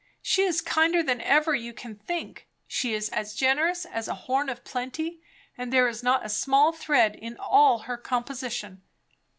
She is kinder than ever you can think. She is as generous as a horn of plenty, and there is not a small thread in all her composition.